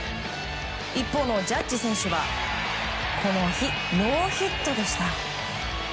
一方のジャッジ選手はこの日、ノーヒットでした。